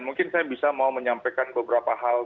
mungkin saya bisa mau menyampaikan beberapa hal